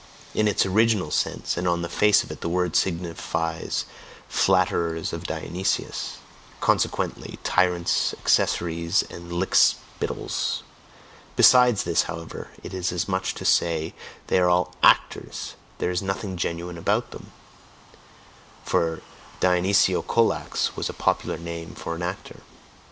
In its original sense, and on the face of it, the word signifies "Flatterers of Dionysius" consequently, tyrants' accessories and lick spittles; besides this, however, it is as much as to say, "They are all ACTORS, there is nothing genuine about them" (for Dionysiokolax was a popular name for an actor).